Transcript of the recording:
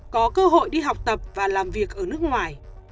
có cơ hội đi học tập và làm việc ở nước ngoài